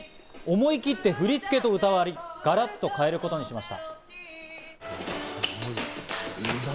思い切って振り付けと歌割り、ガラッと変えることにしました。